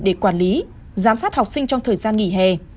để quản lý giám sát học sinh trong thời gian nghỉ hè